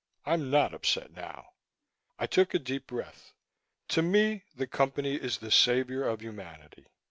I'm not upset now." I took a deep breath. "To me, the Company is the savior of humanity.